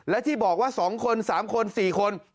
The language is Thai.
และที่บอกว่า๒คน๓คน๔คน